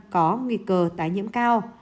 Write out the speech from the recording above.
có nguy cơ tái nhiễm cao